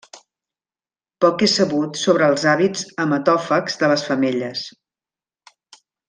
Poc és sabut sobre els hàbits hematòfags de les femelles.